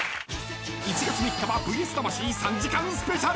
［１月３日は『ＶＳ魂』３時間スペシャル］